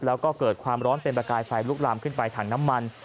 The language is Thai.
แล้วก็เกิดความร้อนเป็นประกายไฟลุกลามขึ้นไปถังน้ำมัน